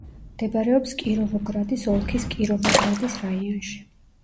მდებარეობს კიროვოგრადის ოლქის კიროვოგრადის რაიონში.